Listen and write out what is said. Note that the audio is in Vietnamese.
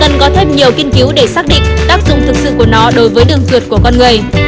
cần có thêm nhiều nghiên cứu để xác định áp dụng thực sự của nó đối với đường ruột của con người